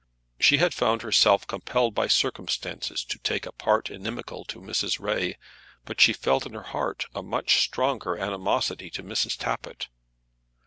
She had found herself compelled by circumstances to take a part inimical to Mrs. Ray, but she felt in her heart a much stronger animosity to Mrs. Tappitt.